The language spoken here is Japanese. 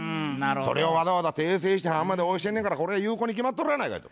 それをわざわざ訂正して判まで押してんねんからこれは有効に決まっとるやないか」と。